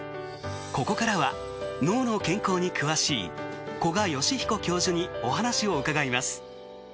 ここからは脳の健康に詳しい古賀良彦教授にお話を伺います。